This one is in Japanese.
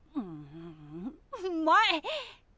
うまい！